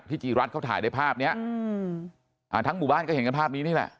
จีรัฐเขาถ่ายได้ภาพเนี้ยอืมอ่าทั้งหมู่บ้านก็เห็นกันภาพนี้นี่แหละ